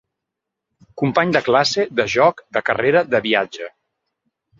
Company de classe, de joc, de carrera, de viatge.